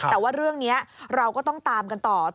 แต่ว่าเรื่องนี้เราก็ต้องตามกันต่อต้องดูกันต่อ